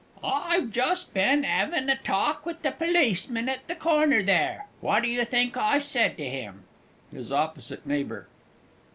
I've just been having a talk with the policeman at the corner there what do you think I said to him? HIS OPPOSITE NEIGHBOUR.